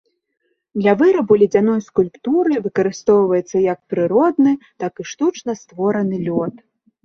Для вырабу ледзяной скульптуры выкарыстоўваецца як прыродны, так і штучна створаны лёд.